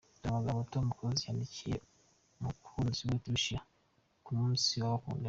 Dore amagambo Tom Close yandikiye umukunzi we Tricia ku munsi w'abakundanye.